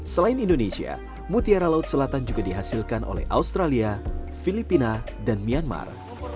selain indonesia mutiara laut selatan juga dihasilkan oleh australia filipina dan myanmar